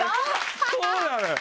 そうなのよ！